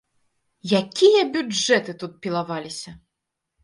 Якія бюджэты тут пілаваліся!